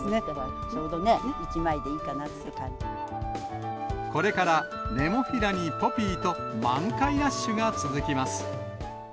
ちょうどね、１枚でいいかなこれからネモフィラにポピーと、満開ラッシュが続きます。